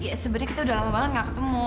ya sebenarnya kita udah lama banget gak ketemu